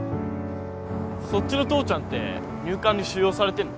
そっちの父ちゃんって入管に収容されてんの？